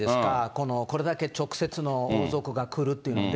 この、これだけ直接の王族が来るっていうので。